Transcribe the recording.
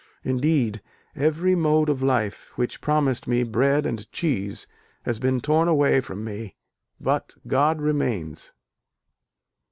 Indeed, every mode of life which promised me bread and cheese has been torn away from me: but God remains."